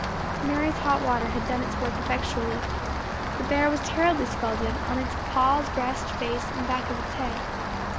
Mary's hot water had done its work effectually. The bear was terribly scalded on its paws, breast, face, and back of its head.